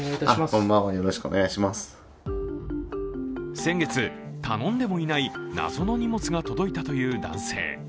先月、頼んでもいない謎の荷物が届いたという男性。